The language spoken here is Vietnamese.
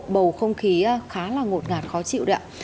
bầu không khí khá là ngột ngạt khó chịu đấy ạ